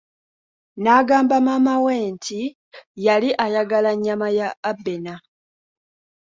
N'agamba maama we nti yali ayagala nnyama ya Abena.